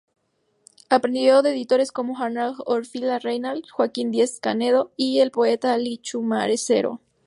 Aprendió de editores como Arnaldo Orfila Reynal, Joaquín Díez-Canedo y el poeta Alí Chumacero.